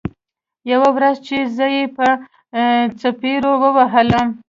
يوه ورځ چې زه يې په څپېړو ووهلم.